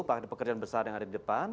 pekerjaan besar yang ada di depan